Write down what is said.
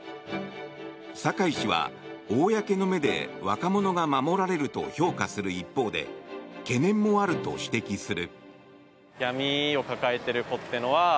酒井氏は公の目で若者が守られると評価する一方で懸念もあると指摘する。